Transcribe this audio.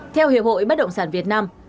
theo hiệp hội bất động sản việt nam